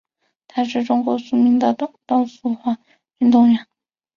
她是中国著名的短道速滑运动员。